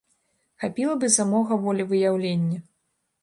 Хапіла б і самога волевыяўлення.